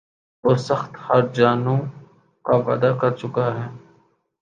وہ سخت ہرجانوں کا وعدہ کر چُکا ہے